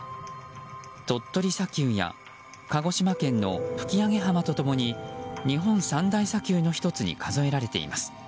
鳥取砂丘や鹿児島県の吹上浜と共に日本三大砂丘の１つに数えられています。